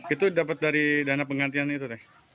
itu dapat dari dana penggantian itu teh